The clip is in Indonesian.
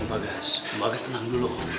om agas tenang dulu om